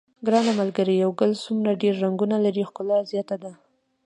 ګرانه ملګریه یو ګل څومره ډېر رنګونه لري ښکلا زیاته ده.